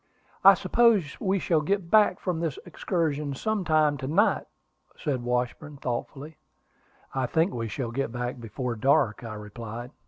"I suppose we shall get back from this excursion some time to night," said Washburn, thoughtfully. "I think we shall get back before dark," I replied.